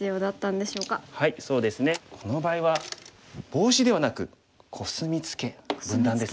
そうですねこの場合はボウシではなくコスミツケ分断ですね。